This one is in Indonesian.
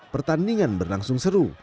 pertandingan berlangsung seru